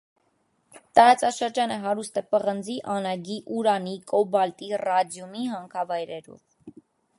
Տարածաշրջանը հարուստ է պղնձի, անագի, ուրանի, կոբալտի, ռադիումի հանքավայրերով։